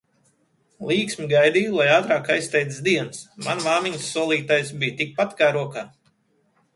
Līksmi gaidīju lai ātrāk aizsteidzas dienas, man māmiņas solītais, bija tik pat kā rokā.